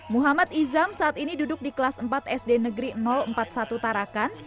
muhammad izam saat ini duduk di kelas empat sd negeri empat puluh satu tarakan